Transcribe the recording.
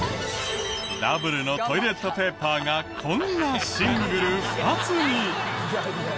ダブルのトイレットペーパーがこんなシングル２つに。